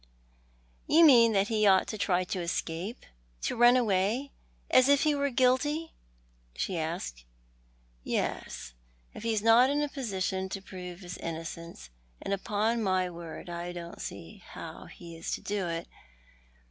" You mean that he ought to try to escape— to run away, as if he were guilty? " she asked. " Yes, if he is not in a position to prove his innocence — and upon my word I don't see how he is to do it.